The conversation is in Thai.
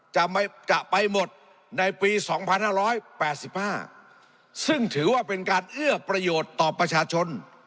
จะไม่จะไปหมดในปีสองพันห้าร้อยแปดสิบห้าซึ่งถือว่าเป็นการเอื้อประโยชน์ต่อประชาชน